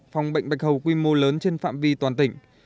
phòng bệnh bạch hầu quy mô lớn trên phạm vi toàn tỉnh